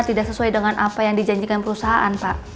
tidak sesuai dengan apa yang dijanjikan perusahaan pak